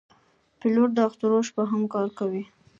پیلوټ د اخترونو شپه هم کار کوي.